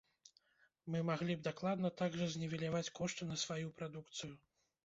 Мы маглі б дакладна так жа знівеляваць кошты на сваю прадукцыю.